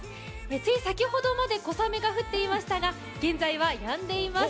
つい先ほどまで小雨が降っていましたが現在はやんでいます。